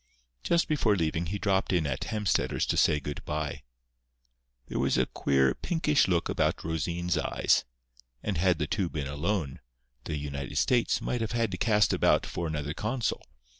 Just before leaving he dropped in at Hemstetter's to say good bye. There was a queer, pinkish look about Rosine's eyes; and had the two been alone, the United States might have had to cast about for another consul.